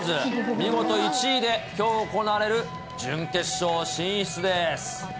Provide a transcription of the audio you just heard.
見事１位で、きょう行われる準決勝進出です。